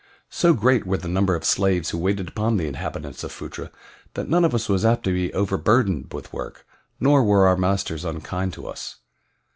So great were the number of slaves who waited upon the inhabitants of Phutra that none of us was apt to be overburdened with work, nor were our masters unkind to us.